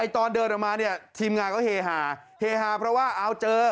ตอนเดินออกมาเนี่ยทีมงานก็เฮฮาเฮฮาเพราะว่าเอาเจอ